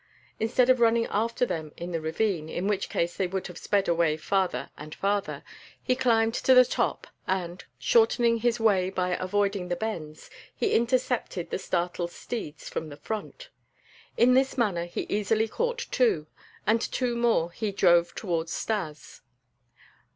Instead of running after them in the ravine, in which case they would have sped away farther and farther, he climbed to the top and, shortening his way by avoiding the bends, he intercepted the startled steeds from the front. In this manner he easily caught two; and two more he drove towards Stas.